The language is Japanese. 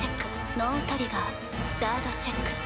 ノートリガーサードチェック。